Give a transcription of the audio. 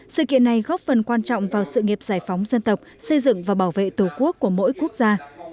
sự kiện này góp phần quan trọng vào sự nghiệp giải phóng dân tộc xây dựng và bảo vệ tổ quốc của mỗi quốc gia